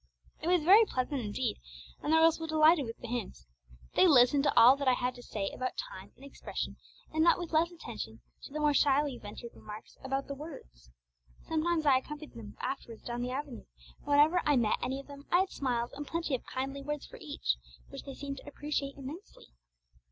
It was very pleasant indeed, and the girls were delighted with the hymns. They listened to all I had to say about time and expression, and not with less attention to the more shyly ventured remarks about the words. Sometimes I accompanied them afterwards down the avenue; and whenever I met any of them I had smiles and plenty of kindly words for each, which they seemed to appreciate immensely.